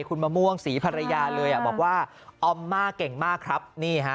คุณมะม่วงศรีภรรยาเลยอ่ะบอกว่าออมม่าเก่งมากครับนี่ฮะ